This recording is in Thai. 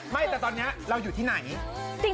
ไม่แต่ตอนนี้เราอยู่ที่ไหน